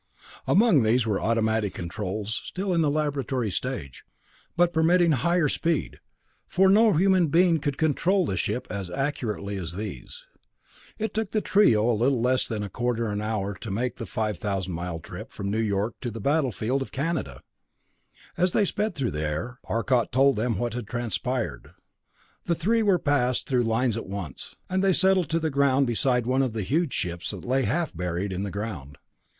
Among these were automatic controls still in the laboratory stage, but permitting higher speed, for no human being could control the ship as accurately as these. It took the trio a little less than a quarter of an hour to make the 5,000 mile trip from New York to the battlefield of Canada. As they sped through the air, Arcot told them what had transpired. The three were passed through the lines at once, and they settled to the ground beside one of the huge ships that lay half buried in the ground.